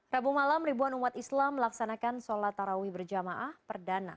rabu malam ribuan umat islam melaksanakan sholat tarawih berjamaah perdana